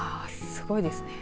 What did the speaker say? すごいですね。